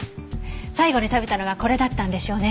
最後に食べたのがこれだったんでしょうね。